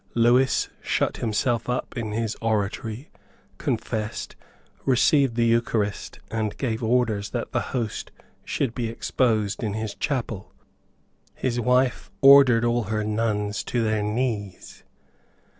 Lewis shut himself up in his oratory, confessed, received the Eucharist, and gave orders that the host should be exposed in his chapel. His wife ordered all her nuns to their knees.